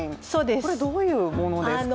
これはどういうものですか？